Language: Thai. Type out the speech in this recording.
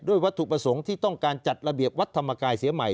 วัตถุประสงค์ที่ต้องการจัดระเบียบวัดธรรมกายเสียใหม่